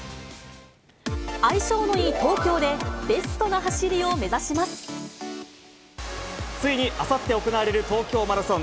相性のいい東京で、ベストなついにあさって行われる東京マラソン。